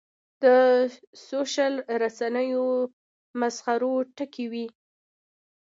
د سوشل رسنیو د مسخرو ټکی وي.